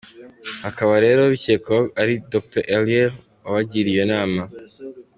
Hakaba rero bikekwako ari Dr. Eliel wabagiriye iyo nama.